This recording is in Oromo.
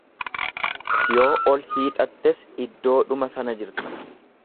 Yoo ol hiixattes iddoodhuma sana jirta.